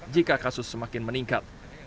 jika kasus semakin meningkat